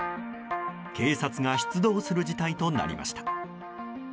警察が出動する事態となりました。